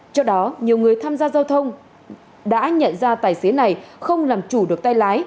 trước đó nhiều người tham gia giao thông đã nhận ra tài xế này không làm chủ được tay lái